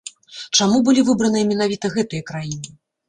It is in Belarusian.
Чаму былі выбраныя менавіта гэтыя краіны?